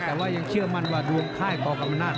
แต่ว่ายังเชื่อมั่นว่าดวงค่ายกอกรรมนาศ